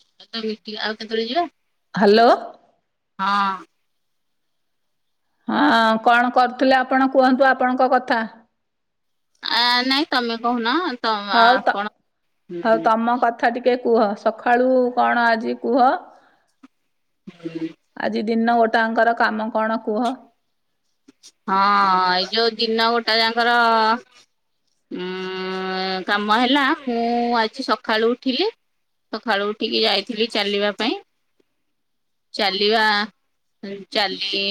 [inaudible] ଆଉ କେତେବେଳେ ଯିବା? ହ୍ୟାଲୋ। ହଁ। ହଁ କଣ କରୁଥିଲେ ଆପଣ? କୁହନ୍ତୁ ଆପଣଙ୍କ କଥା। ଆଁ-ଆଁ ନାଇଁ ତମେ କହୁନ। ତ ହଉ ତ ଆପଣ ହଉ ହଁ ତମ କଥା ଟିକେ କୁହ ସକାଳୁ କଣ ଆଜି କୁହ। [inaudible] ଆଜି ଦିନ ଗୋଟାଙ୍କର କାମ କଣ କୁହ। ହଁଅ-ଅ ଏଇ ଯୋଉ ଦିନ ଗୋଟାଯାଙ୍କର ଉଁ-ଉଁ-ଉଁ-ଉଁ କାମ ହେଲା ମୁଁ ଆଜି ସଖାଳୁ ଉଠିଲି। ସଖାଳୁ ଉଠିକି ଯାଇଥିଲି ଚାଲିବା ପାଇଁ। ଚାଲିବା ଉଁ-ଚାଲି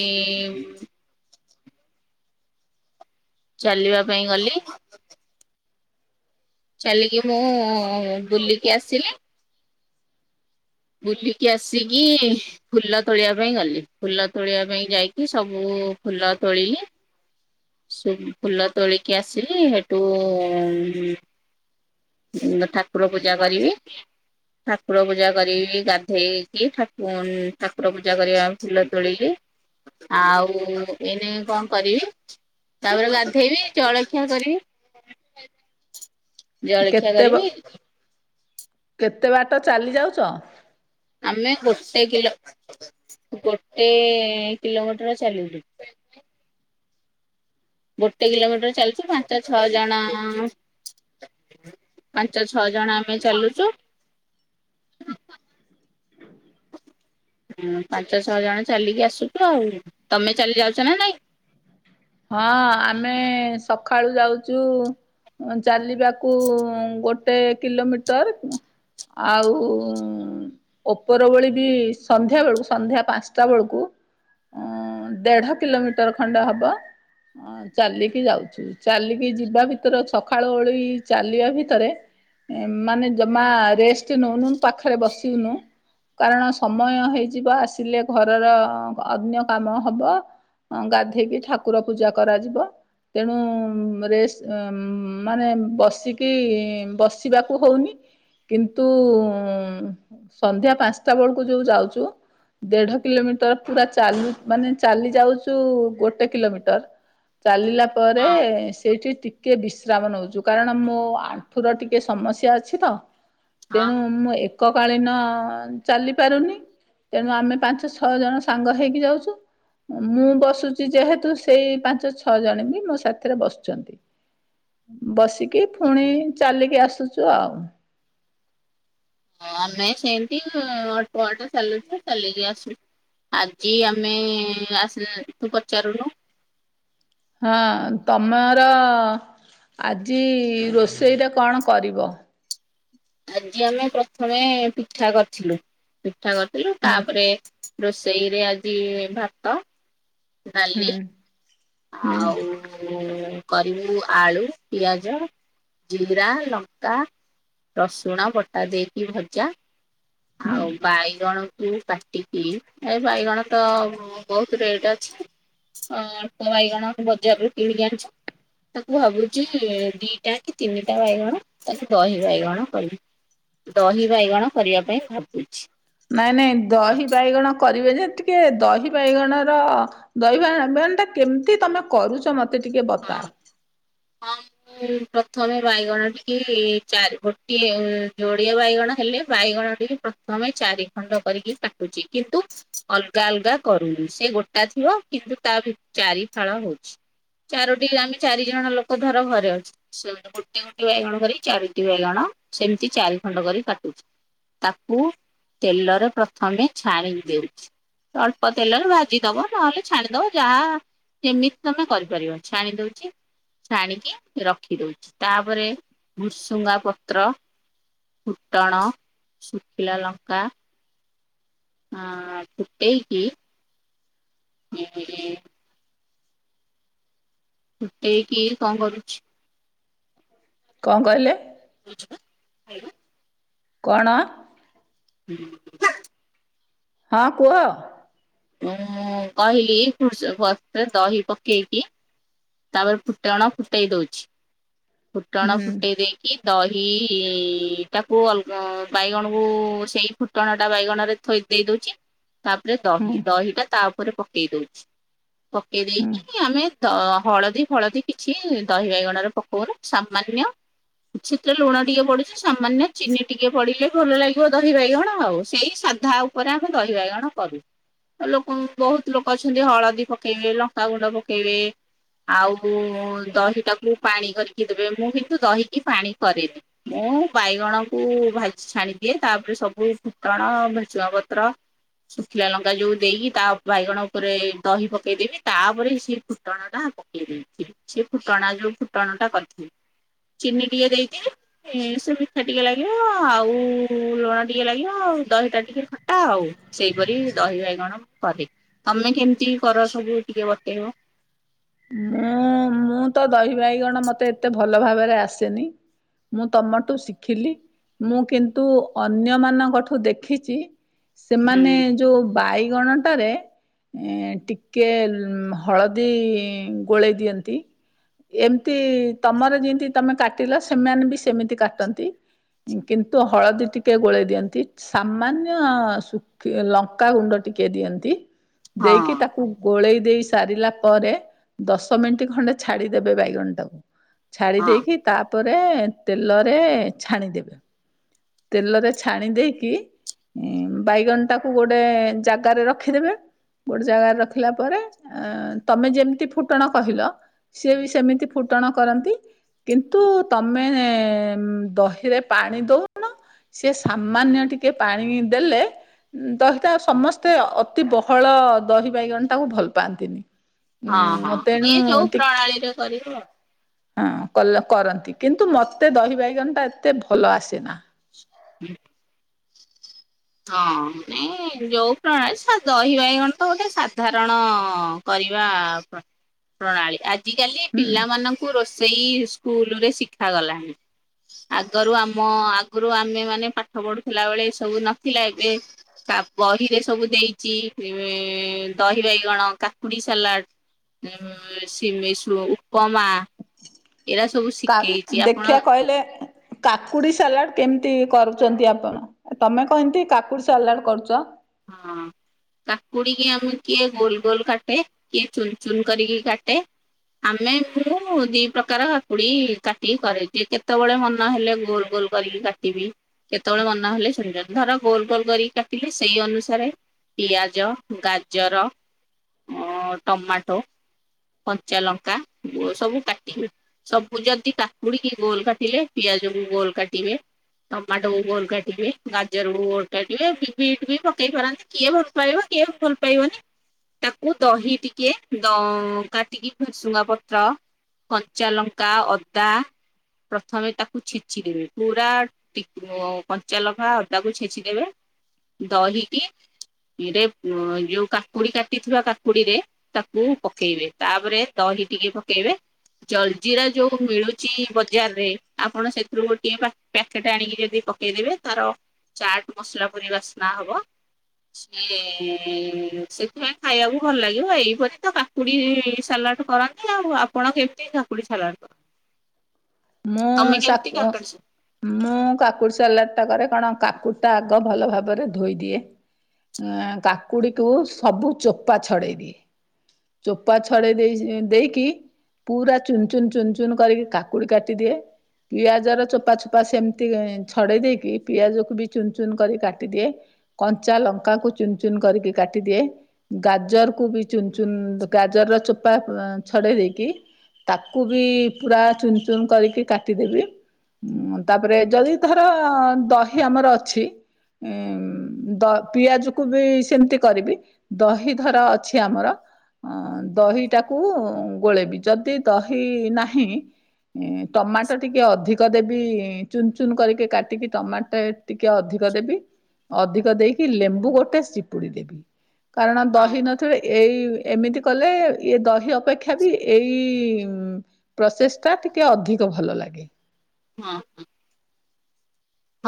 ଚାଲିବା ପାଇଁ ଗଲି। ଚାଲିକି ମୁଁ-ଉ-ଉ-ଉ ବୁଲିକି ଆସିଲି। ବୁଲିକି ଆସିକି ଫୁଲ ତୋଳିବା ପାଇଁ ଗଲି, ଫୁଲ ତୋଳିବା ପାଇଁ ଯାଇକି ସବୁ ଫୁଲ ତୋଳିଲି। ସେଇ ଫୁଲ ତୋଳିକି ଆସିଲି ହେଠୁ-ଉ-ଉ-ଉଁ-ଉଁ ଠାକୁର ପୂଜା କରିବି ଠାକୁର ପୂଜା କରିବି ଗାଧେଇକି ଠାକୁ-ଉଁ ଠାକୁର ପୂଜା କରିବା ଫୁଲ ତୋଳିିଲି। ଆଉ ଏଇନେ କଣ କରିବି ତାପରେ ଗାଧେଇବି ଜଳଖିଆ କରିବି। ଜଳଖିଆ କେତେ ବ କରିବି କେତେ ବାଟ ଚାଲିଯାଉଚ। ଆମେ ଗୋଟେ କିଲୋ ଗୋଟେ କିଲୋମିଟର ଚାଲିଲୁ। ଗୋଟେ କିଲୋମିଟର ଚାଲଚି ପାଞ୍ଚ ଛଅ ଜଣ। ପାଞ୍ଚ ଛଅ ଜଣ ଆମେ ଚାଲୁଚୁ। ହୁଁ ପାଞ୍ଚ ଛଅ ଜଣ ଚାଲିକି ଆସୁଛୁ ଆଉ ତମେ ଚାଲି ଯାଉଛ ନା ନାଇଁ। ହଁ ଆମେ ସଖାଳୁ ଯାଉଚୁ ଚାଲି ବାକୁ ଗୋଟେ କିଲୋମିଟର ଆଉ ଓପର ବୋଳି ବି ସନ୍ଧ୍ୟା ବେଳକୁ ସନ୍ଧ୍ୟା ପାଞ୍ଚଟା ବୁଳୁକୁ ଅଁ ଦେଢ କିଲୋମିଟର ଖଣ୍ଡେ ହବ। ହଁ ଚାଲିକି ଯାଉଚୁ ଚାଲିକି ଯିବା ଭିତରେ ସଖାଳ ଓଳି ଚାଲିବା ଭିତରେ। ମାନେ ଜମା ରେଷ୍ଟ ନଉନୁ ପାଖରେ ବସିନୁ। କାରଣ ସମୟ ହେଇଯିବ ଆସିଲେ ଘରର ଅନ୍ୟ କାମ ହବ। ଗାଧେଇକି ଠାକୁର ପୂଜା କରାଯିବ। ତେଣୁ ରେଷ୍ଟ ମାନେ ବସିକି ବସିବାକୁ ହଉନି। କିନ୍ତୁ ସନ୍ଧ୍ୟା ପାଞ୍ଚଟା ବେଳକୁ ଯୋଉ ଯାଉଚୁ। ଦେଢ କିଲୋମିଟର ପୁରା ଚାଲୁ ମାନେ ଚାଲି ଯାଉଚୁ ଗୋଟେ କିଲୋମିଟର। ଟର ଚାଲିଲା ପରେ ହଁ ସେଇଠି ଟି କିଏ ବିଶ୍ରାମ ନଉଛୁ କାରଣ ମୋ ଆଣ୍ଠୁ ର ଟିକେ ସମସ୍ୟା ଅଛି ତ। ହଁ। ତେଣୁ ମୁଁ ଏକକାଳୀନ ଚାଲି ପାରୁନି। ତେଣୁ ଆମେ ପାଞ୍ଚ ଛଅ ଜଣ ସାଙ୍ଗ ହେଇକି ଯାଉଛୁ ମୁଁ ବସୁଚି ଯେହେତୁ ସେ ସେଇ ପାଞ୍ଚ ଛଅ ଜଣ ବି ମୋ ସାଥିରେ ବସୁଚନ୍ତି। ବସିକି ଫୁଣି ଚାଲିକି ଆସୁଚୁ ଆଉ। ଆମେ ସେମିତି ଅଳ୍ପ ବାଟ ଚାଲୁଚୁ ଚାଲିକି ଆସୁ। ଆଜି ଆମେ ଆସିଲେ ତୁ ପଚାରୁନୁ। ହଁ ତମର ଆଜି ରୋଷେଇରେ କଣ କରିବ? ଆଜି ଆମେ ପ୍ରଥମେ ପିଠା କରିଥିଲୁ ପିଠା କରିଥିଲୁ ତାପରେ ରୋଷେଇରେ ଆଜି ଭାତ, ଡାଲି ହୁଁ ହୁଁ ଆଉ। କରିବୁ ଆଳୁ, ପିଆଜ, ଜିରା, ଲଙ୍କା। ରସୁଣ ବଟା ଦେଇକି ଭଜା ହୁଁ ଆଉ ବାଇଗଣ କୁ କାଟିକି ଏ ବାଇଗଣ ତ ବହୁତ ରେଟ ଅଛି। ହଁ ଅଳ୍ପ ବାଇଗଣ ବଜାରରୁ କିଣିକି ଆଣିଛୁ। ତାକୁ ଭାବୁଚି ଦିଟା କି ତିନିଟା ବାଇଗଣ ତାକୁ ଦହି ବାଇଗଣ କରିବି। ଦହି ବାଇଗଣ କରିବା ପାଇଁ ଭାବୁଛି। ନାଇଁ ନାଇଁ ହଁ ଦହି ବାଇଗଣ କରିବେ ଯେ ତି ଦହି ବାଇଗଣ ର ଦହି ବାଇଗଣ [unintelligible] ଟା କେମିତି ତମେ କରୁଚ ମ ମୋତେ ଟିକେ ବତାଅ। ହଁ ଙ୍କ ପ୍ରଥମେ ବାଇଗଣ ଟିକି ଚାରି ଗୋଟିଏ ଯୋଡ଼ିଏ ବାଇଗଣ ହେଲେ ବାଇଗଣ ଟି ପ୍ରଥମେ ଚାରି ଖଣ୍ଡ କରିକି କାଟୁଚି କିନ୍ତୁ ଅଲଗା ଅଲଗା କରୁନି ସେ ଗୋଟା ଥିବ କିନ୍ତୁ ତା ଭିତ ଚାରି ଫାଳ ହଉଛି। ଚାରୋଟି ଆମେ ଚାରି ଜଣ ଲୋକ ଧର ଘରେ ଅଛି। ସେମିତି ତ ଗୋଟେ ଗୋଟେ ବାଇଗଣ କରି ଚାରୋଟି ବାଇଗଣ ସେମିତି ଚାରି ଖଣ୍ଡ କରି କାଟୁଚି ତାକୁ ତେଲରେ ପ୍ରଥମେ ଛାଣି ଦେଉଛି। ଅଳ୍ପ ତେଲରେ ଭାଜି ଦବ ନହେଲେ ଛାଣିଦବ ଯାହା ସେମିତି ତମେ କରିପାରିବ। ଛାଣି ଦଉଚି। ଛାଣିକି ରଖି ଦଉଚି ତାପରେ ଭୃସୁଙ୍ଗା ପତ୍ର ଫୁଟଣ, ଶୁଖିଲା ଲଙ୍କା ଆଁ ଫୁଟେଇକି? ହୁଁ-ହୁଁ [unintelligible] ଫୁଟେଇକି କଣ କରୁଛି? କଣ କହିଲେ? ବୁଝିବା। କଣ? ମୁଁ ହଁ କୁହ? ମୁଁ କହିଲି ଭୃସୁ ପ ଦହି ପକେଇକି ତାପରେ ଫୁଟଣ ଫୁଟେଇ ଦଉଛି ଫୁଟଣ ହୁଁ ଫୁଟେଇ ଦେଇ କି ଦହି ତାକୁ ଅଲଗ ବାଇଗଣକୁ ସେଇ ଫୁ ଫୁଟଣ ଟା ବାଇଗଣ ରେ ଥୋଇ ଦେଇ ଦଉଚି। ତାପରେ ହୁଁ ଦହି ଦହିଟା ତା ଉପରେ ପକେଇ ଦଉଛି ପକେଇ ହୁଁ ଦେଇକି ଆମେ ଦ ହଳଦୀ ଫଳଦୀ କିଛି ଦହି ବାଇଗଣ ର ପକଉର ସାମାନ୍ୟ କିଛି ତ ଲୁଣ ଟିକେ ପଡ଼ୁଛି ସାମାନ୍ୟ ଚିନି ଟିକେ ପଡ଼ିଲେ ଭଲ ଲାଗିବ ଦହି ବାଇଗଣ ଆଉ ସେଇ ସାଧା ଆଉ ଉପରେ ଆମେ ଦହି ବାଇଗଣ କରୁ। ଲୋକ ବହୁତ ଲୋକ ଅଛନ୍ତି ହଳଦୀ ପକେଇବେ ଲଙ୍କାଗୁଣ୍ଡ ପକେଇବେ ଆଉ ଦହିଟାକୁ ପାଣି କରିକି ଦେବେ ମୁଁ କିନ୍ତୁ ଦହିକି ପାଣି କରେନି। ମୁଁ ବାଇଗଣ କୁ ଭାଜି ଛାଣିଦିଏ, ତାପରେ ସବୁ ଫୁଟଣ, ଭୃଷଙ୍ଗ ପତ୍ର ଶୁଖିଲା ଲଙ୍କା ଯୋଉ ଦେଇକି, ତା ଉ ବାଇଗଣ ଉପରେ ଦହି ପକେଇଦେଇ କି, ତା ଉପରେ ସେ ଫୁଟଣ ଟା ସେ ଫୁଟଣା ଯୋଉ ଫୁଟଣ ଟା କରି ଥିବି, ଚିନି ଟିକେ ଦେଇ ଦିଏ। ସେ ମିଠା ଟିକେ ଲାଗିବ, ଆଉ ଲୁଣ ଟିକେ ଲାଗିବ, ଆଉ ଦହିଟା ଟିକେ ଖଟା ଆଉ। ସେଇପରି ଦହି ବାଇଗଣ କରେ। ତମେ କେମିତି କର ସବୁ ଟିକେ ବତେଇବ? ମୁଁ, ମୁଁ ତ ଦହି ବାଇଗଣ ମତେ ଏତେ ଭଲ ଭାବରେ ଆସେନି। ମୁଁ ତମଠୁ ଶିଖିଲି। ମୁଁ କିନ୍ତୁ ଅନ୍ୟ ମାନଙ୍କଠୁ ଦେଖିଛି, ହୁଁ ସେମାନେ ଯୋଉ ବାଇଗଣଟା ରେ ଟିକେ ହଳଦୀ ଗୋଳେଇ ଦିଅନ୍ତି। ଏମତି ତମର ଯେମିତି ତମେ କାଟିଲ, ସେମାନେ ବି ସେମିତି କାଟନ୍ତି। କିନ୍ତୁ, ହଳଦୀ ଟିକେ ଗୋଳେଇ ଦିଅନ୍ତି। ସାମାନ୍ୟ, ଶୁଖି ଲଙ୍କାଗୁଣ୍ଡ ଟିକେ ଦିଅନ୍ତି। ହଁ ଦେଇକି ତାକୁ ଗୋଳେଇ ଦେଇ ସାରିଲା ପରେ ଦଶ ମିନିଟ୍ ଖଣ୍ଡେ ଛାଡିଦେବେ ବାଇଗଣ ଟାକୁ, ଛାଡି ହଁ। ଦେଇକି ତାପରେ ତେଲରେ ଛାଣିଦେବେ। ତେଲରେ ଛାଣି ଦେଇକି ବାଇଗଣ ଟାକୁ ଗୋଟେ ଜାଗାରେ ରଖିଦେବେ। ଗୋଟେ ଜାଗାରେ ରଖିଲା ପରେ, ଅ ତମେ ଯେମିତି ଫୁଟଣ କହିଲ ସିଏ ବି ସେମିତି ଫୁଟଣ କରନ୍ତି। କିନ୍ତୁ ତମେ, ଦହିରେ ପାଣି ଦଉନ। ସିଏ ସାମାନ୍ୟ ଟିକେ ପାଣି ଦେଲେ ଦହିଟା ସମସ୍ତେ ଅତି ବହଳ ଦହି ବାଇଗଣ ଟାକୁ ଭଲ ପାଆନ୍ତି। ହଁ, ହଁ ଯିଏ ଯୋଉ ପ୍ରଣାଳୀରେ କରିବ। ହଁ କଲ କରନ୍ତି, କିନ୍ତୁ ମୋତେ ଦହି ବାଇଗଣ ଟା ଏତେ ଭଲ ଆସେନା। ହୁଁ। ହଁ, ନାଇଁ ଯୋଉ ପ୍ରଣାଳୀ ସା ଦହି ବାଇଗଣ ତ ଗୋଟେ ସାଧାରଣ କରିବା, ପ୍ର ପ୍ରଣାଳୀ ଆଜିକାଲି ହୁଁ। ପିଲାମାନ କୁ ରୋଷେଇ ସ୍କୁଲ୍ ରେ ଶିଖାଗଲାଣି। ଆଗରୁ ଆମ, ଆଗରୁ ଆମେ ମାନେ ପାଠ ପଢୁଥିଲା ବେଳେ ଏ ସବୁ ନଥିଲା ଏବେ ତା ବହିରେ ସବୁ ଦେଇଛି, ଇ ଦହି ବାଇଗଣ, କାକୁଡି ସାଲାଟ ଉଁ ସିମେଇଁସୁ ଉପମା ଏରା ସବୁ କା, ଶିଖେଇଚି ଆପଣ ଦେଖିଆ କହିଲେ? କାକୁଡି ସାଲାଡ଼, କେମିତି କରୁଛନ୍ତି ଆପଣ? ତମେ କମିତି କାକୁଡ଼ି ସାଲାଡ କରୁଚ? ହଁ। କାକୁଡି କି ଆମେ କିଏ ଗୋଲ୍ ଗୋଲ୍ କାଟେ, କିଏ ଚୁନ୍ ଚୁନ୍ କରିକି କାଟେ ଆମେ ମୁଁ ଦି ପ୍ରକାର କାକୁଡି କାଟିିକି କରେ, ଯେ କେତେବେଳେ ମନ ହେଲେ ଗୋଲ୍ ଗୋଲ୍ କରିକି କାଟିବି, କେତେବେଳେ ମନ ହେଲେ ସେମିତି ଧର ଗୋଲ ଗୋଲ କରିକି କାଟିଲି ସ ସେଇ ଅନୁସାରେ ପିଆଜ, ଗାଜର ଅ ଟମାଟୋ, କଞ୍ଚା ଲଙ୍କା ଓ ସବୁ କାଟି କି ସବୁ ଯଦି କାକୁଡିକି ଗୋଲ କାଟିଲେ, ପିଆଜକୁ ଗୋଲ୍ କାଟିବେ ଟମାଟୋକୁ ଗୋଲ କାଟିବେ, ଗାଜରକୁୁ ଗୋଲ କାଟିବେ ବି ବିଟ୍ ବି ପକେଇ ପାରନ୍ତି, କିଏ ଭଲ ପାଇବ କିଏ ଭଲ ପାଇବନି। ତାକୁ ଦହି ଟିକେ, ଦ କାଟିକି ଭୃସୁଙ୍ଗା ପତ୍ର କଞ୍ଚା ଲଙ୍କା, ଅଦା ପ୍ରଥମେ ତାକୁ ଛେଚି ଦେବେ ପୁରା ଟିକ ଓ କଞ୍ଚା ଲଙ୍କା ଅଦାକୁ ଛେଚିଦେବେ ଦହିକି ରେ ଯୋଉ କାକୁଡି କାଟିଥିବା କାକୁଡିରେ ତାକୁ ପକେଇବେ, ତାପରେ ଦହି ଟିକେ ପକେଇବେ ଜଲ୍ ଜିିରା ଯୋଉ ମିଳୁଛି, ବଜାରେ ଆପଣ ସେଥିରୁ ଗୋଟିଏ ପା ପ୍ୟାକେଟ୍ ଆଣିକି ଯଦି ପକେଇଦେବେ ତାର ଚାଟ୍ ମସଲା ପରି ବାସ୍ନା ହବ। ସିଏ ସେଥିପାଇଁ ଖାଇବାକୁ ଭଲ ଲାଗିବ ଏଇପରି ତ କା କୁଡ଼ି ସାଲାଡ଼ କରନ୍ତି ଆଉ ଆପଣ କେମିତି କାକୁଡ଼ି ସାଲାଡ଼ କର ମୁଁ ତମେ ସାକ କେମିତି କାଟନ୍ସି? ମୁଁ କାକୁଡ଼ି ସାଲାଡ଼ ଟା କରେ କଣ କାକୁଡ଼ି ଟା ଆଗ ଭଲ ଭାବରେ ଧୋଇ ଦିଏ ଉଁ କାକୁଡ଼ିକୁ ସବୁ ଚୋପା ଛଡ଼େଇ ଦିଏ। ଚୋପା ଛଡ଼େଇ ଦେଇ ସି ଦେଇକି ପୁରା ଚୁନ୍ ଚୁନ୍ କରିକି କା କୁଡ଼ି କାଟିଦିଏ। ପିଆଜର ଚୋପା ଚୋପା ସେମିତି ଇଁ ଛଡ଼େଇ ଦେଇକି ପିଆଜକୁ ବି ଚୁନ୍ ଚୁନ୍ କରି କାଟିଦିଏ। କଞ୍ଚା ଲଙ୍କାକୁ ଚୁନ ଚୁନ କରିକି କାଟିଦିଏ। ଗାଜରକୁୁ ବି ଚୁନ୍ ଚୁନ୍ ଗାଜର ର ଚୋପା ଅଁ ଛଡ଼େଇ ଦେଇକି ତାକୁ ବି ପୁରା ଚୁନ ଚୁନ କରିକି କାଟିଦେବି। ଉଁ ତାପରେ ଯଦି ଧର ଦହି ଆମର ଅଛି ଉଁ ଦ ପିଆଜକୁ ବି ସେମିତି କରିବି। ଦହି ଧର ଅଛି ଆମର ଅଁ ଦହିଟାକୁ ଗୋଳେଇବି ଯଦି ଦହି ନାହିଁ ଇଁ ଟମାଟୋ ଟିକେ ଅଧିକ ଦେବି ଚୁନ ଚୁନ କରିକି କାଟିକି ଟମାଟୋ ଟେ ଟିକେ ଅଧିକ ଦେବି। ଅଧିକ ଦେଇକି ଲେମ୍ବୁ ଗୋଟେ ଚିପୁଡ଼ି ଦେବି। କାରଣ ସାଲା ହଁ ଦହି ନ ସେତବେଳେ ଏଇ ଏମିତି କଲେ ଇଏ ଦହି ଅପେକ୍ଷା ବି ଏଇ ପ୍ରସେସ ଟା ଟିକେ ଅଧିକ ଭଲ ଲାଗେ। ହଁ।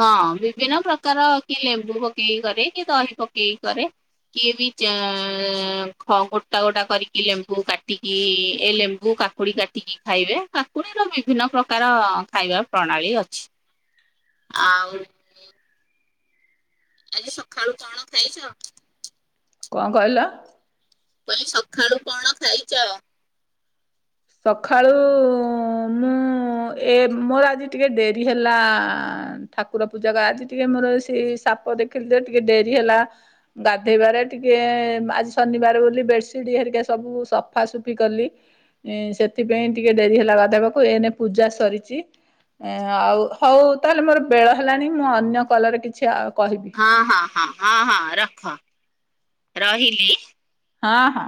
ହଁ ବିଭିନ୍ନ ପ୍ରକାର କି ଲେମ୍ବୁ ପକେଇକି କରେ କିଏ ଦହି ପକେଇକି କରେ। କିଏ ବି [unintelligible] ଗୋଟା ଗୋଟା କରିକି ଲେମ୍ବୁ କାଟିକି ଏ ଲେମ୍ବୁ କା କାକୁଡ଼ି କାଟିକି ଖାଇବେ କାକୁଡ଼ିର ବିଭିନ୍ନ ପ୍ରକାର ଖାଇବା ପ୍ରଣାଳୀ ଅଛି। ଆଉ ଆଜି ସକାଳୁ କଣ ଖାଇଛ। କଣ କହିଲ? କହିଲି ସକାଳୁ କଣ ଖାଇଛ? ସକାଳୁ ମୁଁ ଏ ମୋର ଆଜି ଟିକେ ଡେରି ହେଲା ଠାକୁର ପୂଜାରା ଆଜି ଟିକେ ମୋର ସେ ସାପ ଦେଖିଲି ଯେ ଟିକେ ଡେରି ହେଲା। ଗାଧୋଇବାରେ ଟିକିଏ ଆଜି ଶନିବାର ବୋଲି ବେଡ଼ସିଟ୍ ହେରିକା ସବୁ ସଫାସୁଫି କଲି। ଉଁ ସେଥିପାଇଁ ଟିକେ ଡେରି ହେଲା ଗାଧେଇବାକୁ ଏଇନେ ପୂଜା ସରିଛି। ଏ ଆଉ ହଉ ତାହେଲେ ମୋର ବେଳ ହେଲାଣି ମୁଁ ଅନ୍ୟ କଲରେ କିଛି କହିବି। ହଁ ହଁ ହଁ ହଁ ହଁ ରଖ। ରହିଲି। ହଁ ହଁ।